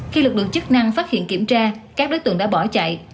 khi lực lượng chức năng phát hiện kiểm tra các đối tượng đã bỏ chạy